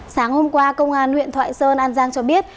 sáng hôm qua công an huyện thoại sơn an giang cho biết